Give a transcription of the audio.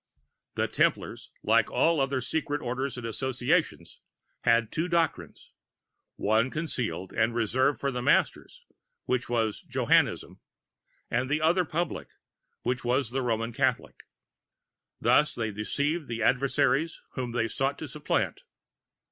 "The Templars, like all other Secret Orders and Associations, had two doctrines, one concealed and reserved for the Masters, which was Johannism; the other public, which was the Roman Catholic. Thus they deceived the adversaries whom they sought to supplant.